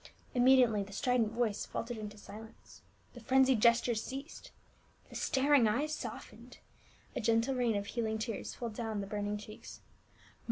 Immediately the strident voice faltered into silence, the frenzied gestures ceased, the staring eyes softened, a gentle rain of healing tears flowed down the burning cheeks.